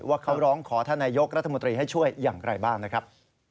ว่าเขาร้องขอท่านนายกรัฐมนตรีให้ช่วยอย่างไรบ้างนะครับ